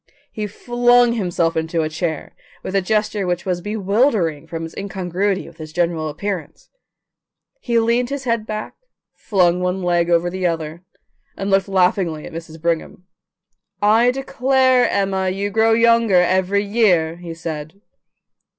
He flung himself into a chair with a gesture which was bewildering from its incongruity with his general appearance. He leaned his head back, flung one leg over the other, and looked laughingly at Mrs. Brigham. "I declare, Emma, you grow younger every year," he said.